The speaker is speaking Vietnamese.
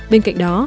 bên cạnh đó